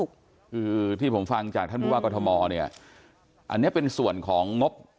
คือที่ผมฟังจากท่านผู้ว่ากรทมเนี่ยอันนี้เป็นส่วนของงบ